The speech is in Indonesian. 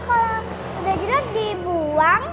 kalau udah jelek dibuang